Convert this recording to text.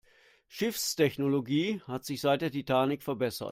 Schiffstechnologie hat sich seit der Titanic verbessert.